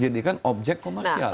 dijadikan objek komersial